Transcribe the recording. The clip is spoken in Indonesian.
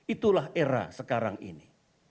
itulah era sekarang ini